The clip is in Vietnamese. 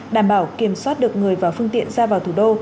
đảm bảo kiểm soát được người và phương tiện ra vào thủ đô